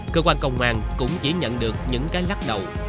cơ quan công an cũng chỉ nhận được những cái lắc đầu